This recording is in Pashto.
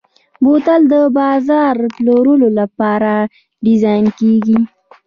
بوتل د بازار پلورلو لپاره ډیزاین کېږي.